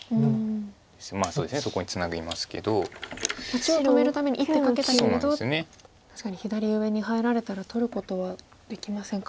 中央止めるために１手かけたけれど確かに左上に入られたら取ることはできませんか。